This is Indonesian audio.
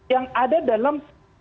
yang ada dalam